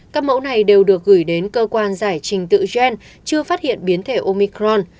các mẫu này đều được gửi đến cơ quan giải trình tự gen chưa phát hiện biến thể omicron